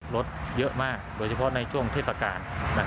รถเยอะมากโดยเฉพาะในช่วงเทศกาล